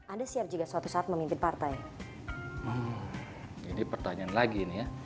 ada siap juga suatu saat memimpin partai